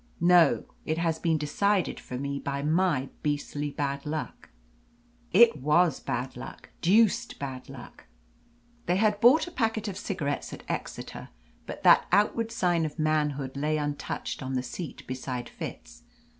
"No, it has been decided for me by my beastly bad luck." "It WAS bad luck deuced bad luck." They had bought a packet of cigarettes at Exeter, but that outward sign of manhood lay untouched on the seat beside Fitz.